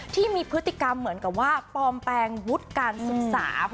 ที่มีพฤติกรรมเหมือนกับว่าปลอมแปลงวุฒิการศึกษา